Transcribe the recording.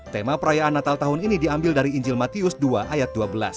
tema perayaan natal tahun ini diambil dari injil matius dua ayat dua belas